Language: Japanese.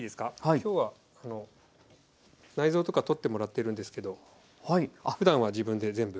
きょうは内臓とか取ってもらってるんですけどふだんは自分で全部。